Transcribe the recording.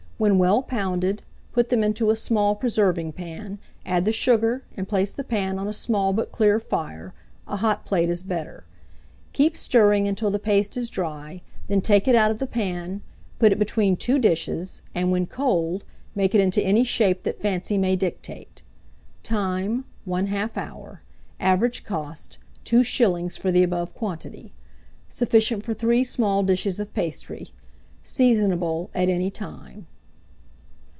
When well pounded, put them into a small preserving pan, add the sugar, and place the pan on a small but clear fire (a hot plate is better); keep stirring until the paste is dry, then take it out of the pan, put it between two dishes, and, when cold, make it into any shape that fancy may dictate. Time. 1/2 hour. Average cost, 2s. for the above quantity. Sufficient for 3 small dishes of pastry. Seasonable at any time.